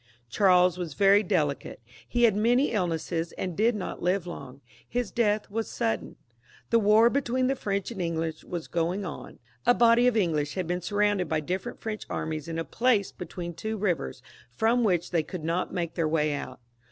Charles was very delicate ; he had many illnesses, and did not live long. His death was quite sudden. The war between the French and English was going on ; a body of English had been surrounded by different French armies in a place between two rivers, from which they could not 182 CHARLES V. {LE SAGE). [CH. make their way out.